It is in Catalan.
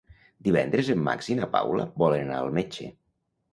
Divendres en Max i na Paula volen anar al metge.